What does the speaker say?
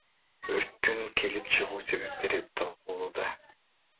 Өрттүн келип чыгуу себептери такталууда.